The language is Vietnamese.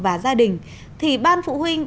và gia đình thì ban phụ huynh